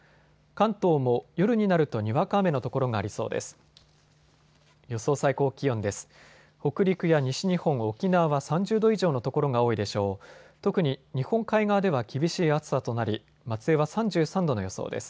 関東も夜になるとにわか雨の所がありそうです。